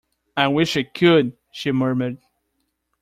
"I wish I could," she murmured.